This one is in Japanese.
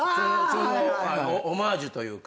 そのオマージュというか。